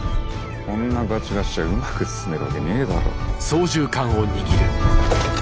こんなガチガチじゃうまく包めるわけねえだろ。